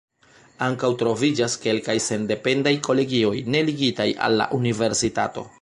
Ankaŭ troviĝas kelkaj sendependaj kolegioj ne ligitaj al la universitato.